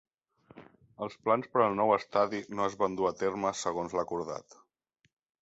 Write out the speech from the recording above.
Els plans per al nou estadi no es van dur a terme segons l'acordat.